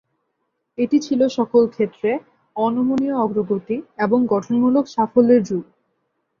এটি ছিল সকল ক্ষেত্রে অনমনীয় অগ্রগতি এবং গঠনমূলক সাফল্যের যুগ।